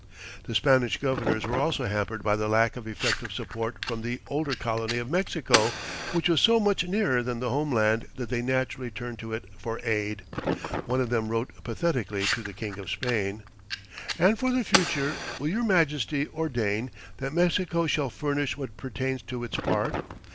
The Spanish governors were also hampered by the lack of effective support from the older colony of Mexico, which was so much nearer than the home land that they naturally turned to it for aid. One of them wrote pathetically to the King of Spain: "And for the future ... will your Majesty ordain that Mexico shall furnish what pertains to its part.